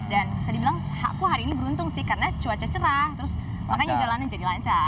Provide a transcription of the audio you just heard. dan bisa dibilang aku hari ini beruntung sih karena cuaca cerah makanya jalannya jadi lancar